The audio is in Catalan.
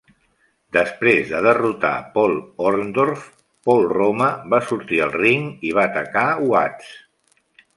Després de derrotar Paul Orndorff, Paul Roma va sortir al ring i va atacar Watts.